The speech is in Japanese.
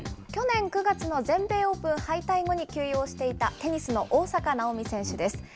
去年９月の全米オープン敗退後に休養していた、テニスの大坂なおみ選手です。